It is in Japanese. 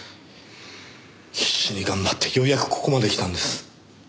必死に頑張ってようやくここまできたんです。